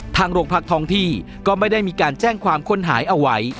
ทางโรงพักท้องที่ก็ไม่ได้มีการแจ้งความคนหายเอาไว้